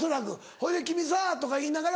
ほいで「君さぁ」とか言いながら。